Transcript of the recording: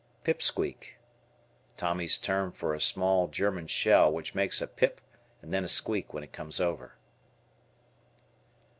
"Pip squeak." Tommy's term for a small German shell which makes a "pip" and then a "squeak," when it comes over.